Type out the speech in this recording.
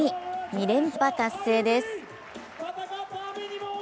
２連覇達成です。